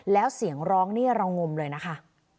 แล้วเสียงร้องนี่เรางมเลยนะคะ